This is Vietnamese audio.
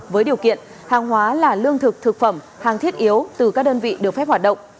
với điều kiện hàng hóa là lương thực thực phẩm hàng thiết yếu từ các đơn vị được phép hoạt động